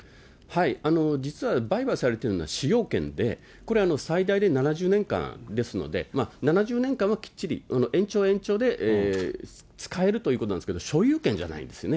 実は売買されているのは使用権で、これ、最大で７０年間ですので、７０年間はきっちり、延長、延長で使えるということなんですけど、所有権じゃないんですよね。